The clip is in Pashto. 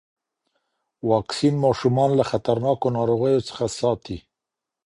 واکسین ماشومان له خطرناکو ناروغیو څخه ساتي.